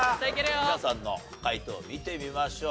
皆さんの解答見てみましょう。